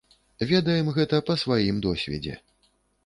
Ведаем гэта па сваім досведзе.